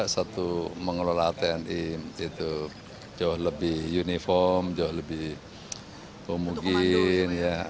satu mengelola tni itu jauh lebih uniform jauh lebih pemungkin